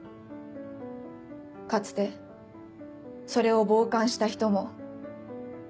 かつてそれを傍観した人も。